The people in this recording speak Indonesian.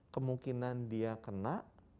kemungkinan dia kena